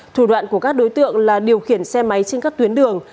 thủ đoạn của các đối tượng là điều khiển xe máy trên các tuyến đường